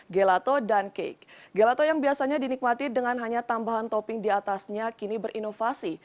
gelato dan cake gelato yang biasanya dinikmati dengan hanya tambahan topping diatasnya kini berinovasi